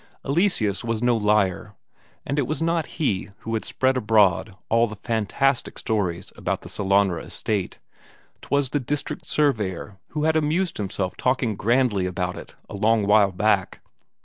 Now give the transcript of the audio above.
Eleseus was no liar, and it was not he who had spread abroad all the fantastic stories about the Sellanraa estate; 'twas the district surveyor who had amused himself talking grandly about it a long while back.